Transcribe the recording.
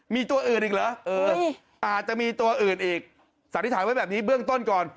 มีตัวอื่นอีกเหรออาจจะมีตัวอื่นอีกสันนิษฐานไว้แบบนี้เบื้องต้นก่อน